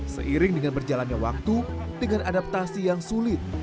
seiring dengan berjalannya waktu dengan adaptasi yang sulit